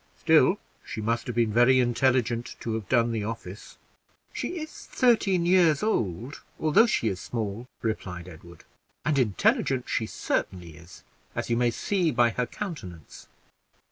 Still, she must have been very intelligent to have done the office." "She is thirteen years old, although she is small," replied Edward. "And intelligent she certainly is, as you may see by her countenance.